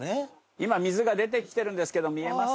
今水が出てきてるんですけど見えます？